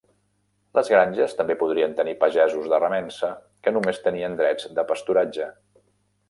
Les granges també podrien tenir pagesos de remença, que només tenien drets de pasturatge.